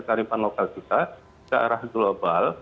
kearifan lokal kita ke arah global